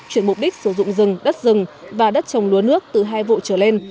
chuyển mục đích sử dụng rừng đất rừng và đất trồng lúa nước từ hai vụ trở lên